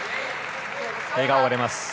笑顔が出ます。